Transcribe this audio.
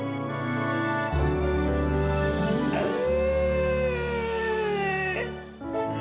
enggak salah nih